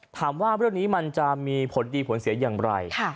ถามว่าเรื่องนี้มันจะมีผลดีผลเสียอย่างไร